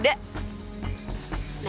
ada tukang kuda